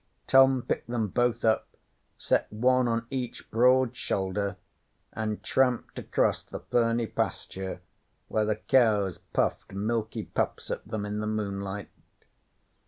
Tom picked them both up, set one on each broad shoulder, and tramped across the ferny pasture where the cows puffed milky puffs at them in the moonlight.